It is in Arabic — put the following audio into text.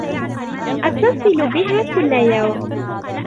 أتصل بها كل يوم.